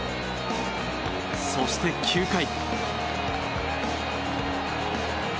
そして、９回。